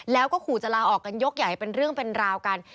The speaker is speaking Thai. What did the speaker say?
แล้วก็ขู่จะลาออกกันยกใหญ่เป็นเรื่องเป็นราวกัน